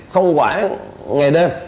không quản ngày đêm